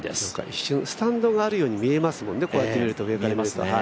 一瞬スタンドがあるように見えますもんね、上から見ると。